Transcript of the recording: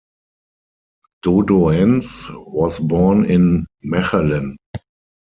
Dodoens was born in Mechelen.